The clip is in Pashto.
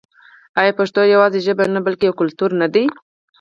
آیا پښتو یوازې ژبه نه بلکې یو کلتور نه دی؟